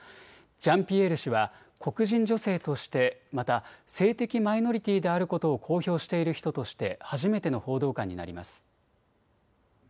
ジャンピエール氏は黒人女性として、また性的マイノリティーであることを公表している人として初めての報道官になります。